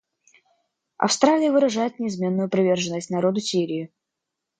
Австралия выражает неизменную приверженность народу Сирии.